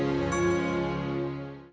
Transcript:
bukan doa saja kemerdekaan manusia